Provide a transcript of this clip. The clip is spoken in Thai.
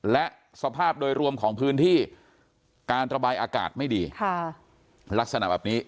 และสภาพโดยรวมของพื้นที่การระบายอากาศไม่ดีลักษณะแบบนี้